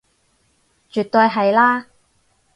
絕對係啦